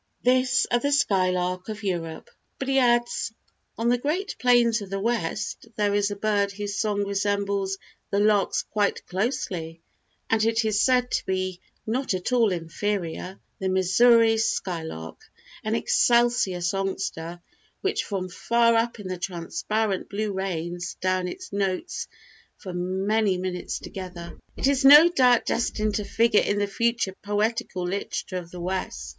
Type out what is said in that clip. This of the skylark of Europe. But he adds: "On the Great Plains of the West there is a bird whose song resembles the lark's quite closely, and it is said to be not at all inferior—the Missouri Skylark, an excelsior songster, which from far up in the transparent blue rains down its notes for many minutes together. It is no doubt destined to figure in the future poetical literature of the West."